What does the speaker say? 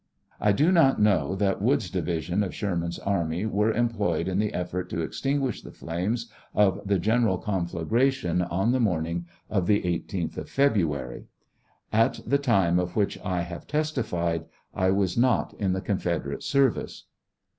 I do not know that Wood's division of Sherman's army were employed in the effort to extinguish the flames of the general conflagration on the morning of the 18th February. At the time of which I have testified, I was not in the Confederate service.